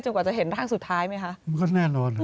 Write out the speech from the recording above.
จนกว่าจะเห็นร่างสุดท้ายไหมคะ